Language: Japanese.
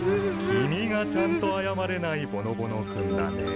君がちゃんと謝れないぼのぼの君だね。